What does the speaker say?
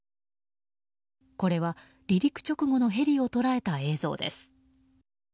これは離陸直後のヘリを捉えた映像です。